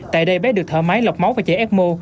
tại đây bé được thở máy lọc máu và chạy ecmo